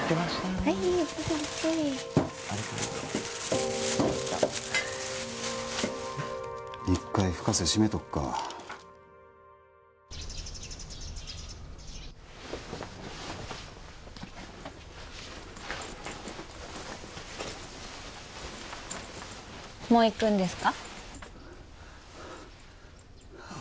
はいお待たせ１回深瀬シメとくかもう行くんですか？